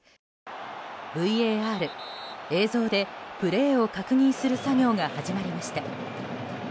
ＶＡＲ、映像でプレーを確認する作業が始まりました。